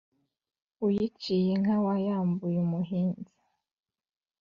uyiciye inka wayambuye umuhinza.